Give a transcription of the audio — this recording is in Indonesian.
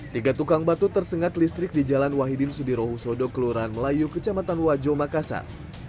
tiga tukang batu tersengat listrik di jalan wahidin sudirohusodo kelurahan melayu kecamatan wajo makassar